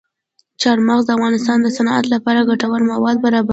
چار مغز د افغانستان د صنعت لپاره ګټور مواد برابروي.